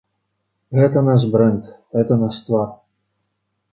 Гэта наш брэнд, гэта наш твар.